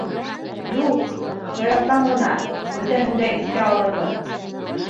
Юҡ, шаяртам ғына, бөтәһен дә иҫкә алырбыҙ.